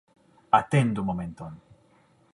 Atendu momenton.